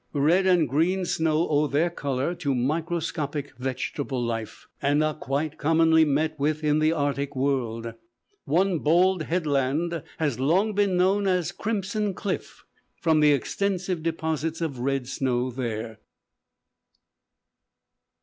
Red and green snow owe their color to microscopic vegetable life, and are quite commonly met with in the Arctic world. One bold headland has long been known as Crimson Cliff, from the extensive deposits of red snow there.